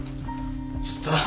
ちょっと。